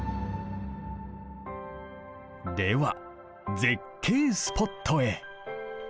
では絶景スポットへ。